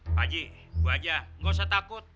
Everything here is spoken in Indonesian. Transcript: pak haji gue aja gak usah takut